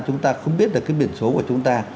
chúng ta không biết được cái biển số của chúng ta